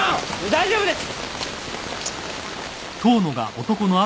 大丈夫です！